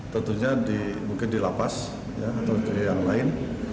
tentunya mungkin di lapas atau ke yang lain